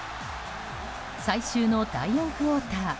最終の第４クオーター。